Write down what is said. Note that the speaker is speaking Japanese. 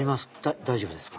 大丈夫ですか？